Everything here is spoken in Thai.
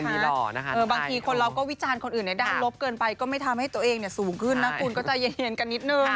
บางทีคนเราก็วิจารณ์คนอื่นในด้านลบเกินไปก็ไม่ทำให้ตัวเองสูงขึ้นนะคุณก็ใจเย็นกันนิดนึง